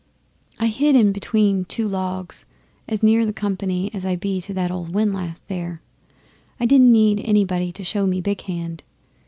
I hid in between two logs as near to the company as I be to that old windlass there. I didn't need anybody to show me Big Hand.